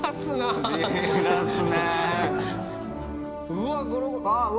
うわっ！